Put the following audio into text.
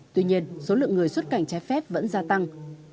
tuy nhiên số lượng người xuất cảnh trái phép vẫn gia tăng